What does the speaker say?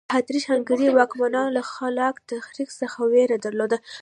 په اتریش هنګري واکمنانو له خلاق تخریب څخه وېره درلوده.